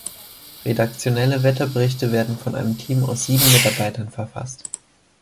Redaktionelle Wetterberichte werden von einem Team aus sieben Mitarbeitern verfasst.